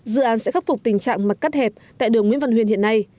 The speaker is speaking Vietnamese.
dự án sẽ khắc phục tình trạng mặt cắt hẹp tại đường nguyễn văn huyên hiện nay